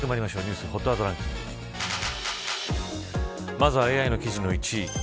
まずはＡＩの記事の１位。